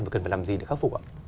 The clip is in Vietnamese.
và cần phải làm gì để khắc phục ạ